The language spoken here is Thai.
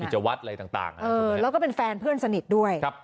วัดอะไรต่างแล้วก็เป็นแฟนเพื่อนสนิทด้วย